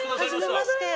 はじめまして。